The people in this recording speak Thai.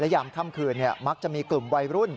ยามค่ำคืนมักจะมีกลุ่มวัยรุ่น